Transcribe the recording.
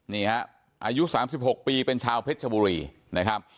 นี่ฮะอายุสามสิบหกปีเป็นชาวเพชรทบุรีนะครับ